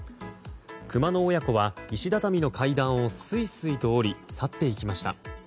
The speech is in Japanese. クマの親子は石畳の階段をすいすいと下り去っていきました。